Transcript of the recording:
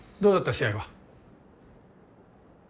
試合は。